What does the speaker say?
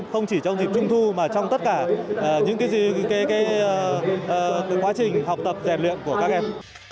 không chỉ trong dịp trung thu mà trong tất cả những quá trình học tập rèn luyện của các em